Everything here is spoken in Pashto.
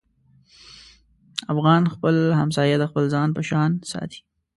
افغان خپل همسایه د خپل ځان په شان ساتي.